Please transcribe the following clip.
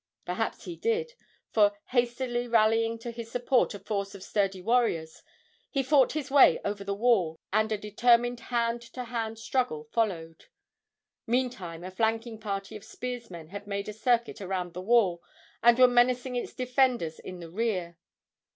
Perhaps he did, for, hastily rallying to his support a force of sturdy warriors, he fought his way over the wall, and a determined hand to hand struggle followed. Meantime a flanking party of spearsmen had made a circuit around the wall and were menacing its defenders in the rear.